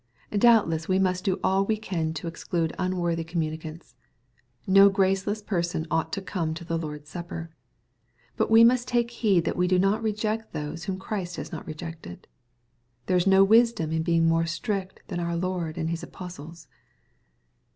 Doubtless we must do all we can to exclude unworthy communioanta. No graceless person ought to come to the Lord's Sapper. But we must take heed that we do not reject those whom Christ has not rejected. There is no wisdom in being more strict than our Lord and His apostles.